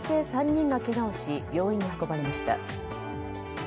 ３人がけがをし病院に運ばれました。